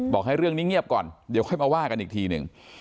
บอกให้เรื่องนี้เงียบก่อนเดี๋ยวค่อยมาว่ากันอีกทีหนึ่ง